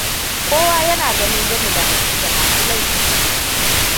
Kowa ya na ganin Jami da Hadiza masu laifi ne.